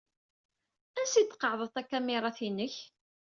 Ansi d-tqeɛɛdeḍ takamira-inek?